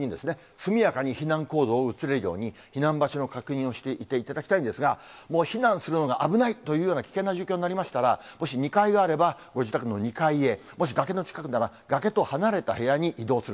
速やかに避難行動に移れるように、避難場所の確認をしていていただきたいんですが、避難するのが危ないというような危険な状況になりましたら、もし２階があれば、ご自宅の２階へ、もし崖の近くなら、崖と離れた部屋に移動する。